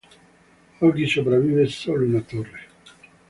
Oggi sopravvive solo una torre.